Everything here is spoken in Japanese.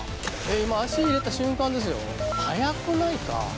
今足入れた瞬間ですよ早くないか？